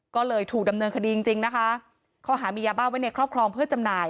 ก็เลยถูกดำเนินคดีจริงจริงนะคะข้อหามียาบ้าไว้ในครอบครองเพื่อจำหน่าย